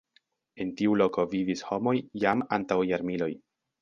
En tiu loko vivis homoj jam antaŭ jarmiloj.